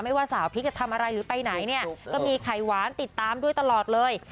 ว่าสาวพริกจะทำอะไรหรือไปไหนเนี่ยก็มีไข่หวานติดตามด้วยตลอดเลย